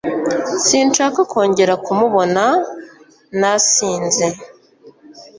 Sinshaka kongera kumubona na sinze.